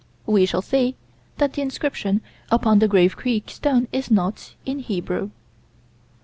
We shall see that the inscription upon the Grave Creek stone is not in Hebrew.